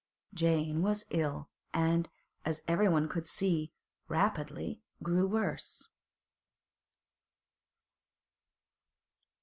Jane was ill, and, as everyone could see, rapidly grew worse.